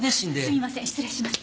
すいません失礼します。